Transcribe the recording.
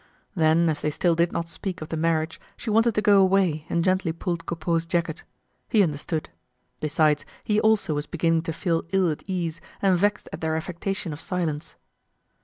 Then as they still did not speak of the marriage, she wanted to go away and gently pulled Coupeau's jacket. He understood. Besides, he also was beginning to feel ill at ease and vexed at their affectation of silence.